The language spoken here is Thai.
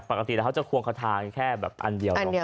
ปกติเขาจะควงคาทางแค่แบบอันเดียว